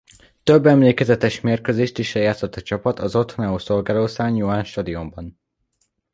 Több emlékezetes mérkőzést is lejátszott a csapat az otthonául szolgáló San Juan stadionban.